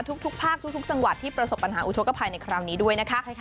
ทุกภาคทุกจังหวัดที่ประสบปัญหาอุทธกภัยในคราวนี้ด้วยนะคะ